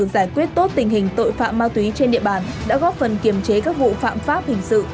giải quyết tốt tình hình tội phạm ma túy trên địa bàn đã góp phần kiềm chế các vụ phạm pháp hình sự